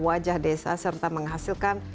wajah desa serta menghasilkan